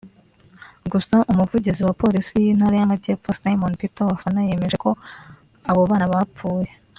Gusa umuvugizi wa Polisi y’Intara y’Amajyepfo Simon Peter Wafana yemejeko abo bana bafpuye